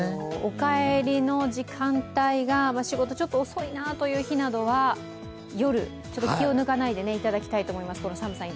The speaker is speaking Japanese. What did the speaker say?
お帰りの時間帯が仕事ちょっと遅いなという日などは夜、気を抜かないでいただきたいと思います。